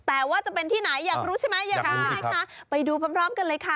แต่ว่าจะเป็นที่ไหนอยากรู้ใช่ไหมอยากรู้ใช่ไหมคะไปดูพร้อมกันเลยค่ะ